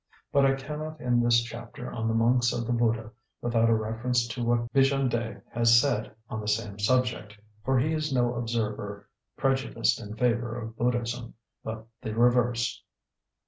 But I cannot end this chapter on the monks of the Buddha without a reference to what Bishop Bigandet has said on the same subject, for he is no observer prejudiced in favour of Buddhism, but the reverse.